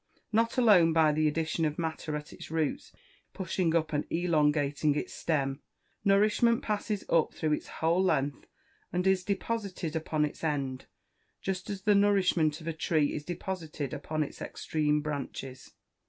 Not alone by the addition of matter at its roots, pushing up and elongating its stem: nourishment passes up through its whole length, and is deposited upon its end, just as the nourishment of a tree is deposited upon its extreme branches.